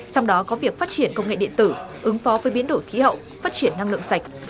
trong đó có việc phát triển công nghệ điện tử ứng phó với biến đổi khí hậu phát triển năng lượng sạch